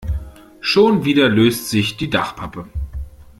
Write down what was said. Schon wieder löst sich die Dachpappe.